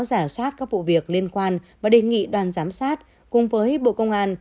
giả soát các vụ việc liên quan và đề nghị đoàn giám sát cùng với bộ công an